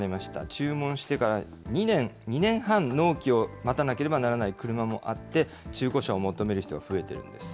注文してから２年半、納期を待たなければならない車もあって、中古車を求める人が増えているんです。